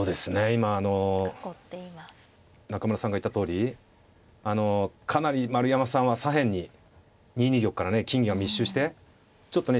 今あの中村さんが言ったとおりあのかなり丸山さんは左辺に２二玉からね金銀が密集してちょっとね